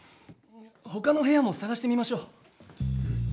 他の部屋も探してみましょう。